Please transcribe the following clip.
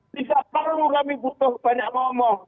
tidak perlu kami butuh banyak ngomong